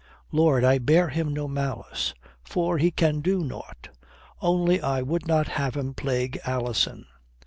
"Lord, I bear him no malice. For he can do nought. Only I would not have him plague Alison."